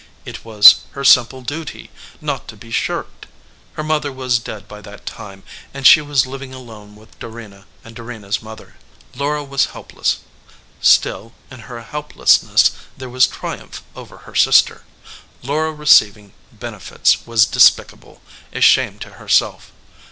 It was her simple duty, not to be shirked. Her mother was dead by that time, and she was living alone with Dorena and Dorena s mother. Laura was helpless, still, in her helplessness there was triumph over her sister. Laura receiving bene fits was despicable, a shame to herself.